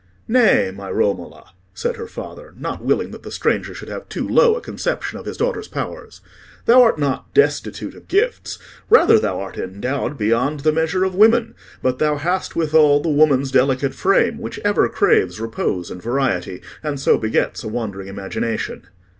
"Nay, my Romola," said her father, not willing that the stranger should have too low a conception of his daughter's powers; "thou art not destitute of gifts; rather, thou art endowed beyond the measure of women; but thou hast withal the woman's delicate frame, which ever craves repose and variety, and so begets a wandering imagination.